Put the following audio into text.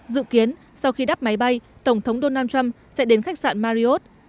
dự kiến sau khi đắp máy bay tổng thống donald trump sẽ đến khách sạn mariot